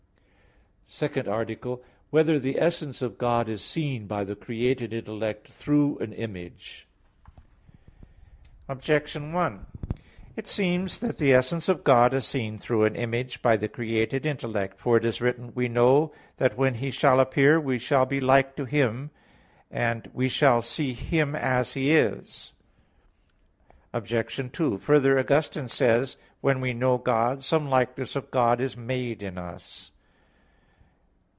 _______________________ SECOND ARTICLE [I, Q. 12, Art. 2] Whether the Essence of God Is Seen by the Created Intellect Through an Image? Objection 1: It seems that the essence of God is seen through an image by the created intellect. For it is written: "We know that when He shall appear, we shall be like to Him, and [Vulg.: 'because'] we shall see Him as He is" (1 John 3:2). Obj. 2: Further, Augustine says (De Trin. v): "When we know God, some likeness of God is made in us."